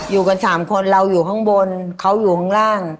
อยู่กันสามคนเราอยู่ข้างบนเขาอยู่ข้างล่าง